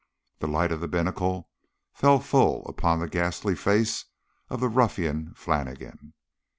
The light of a binnacle fell full upon the ghastly face of the ruffian Flannigan.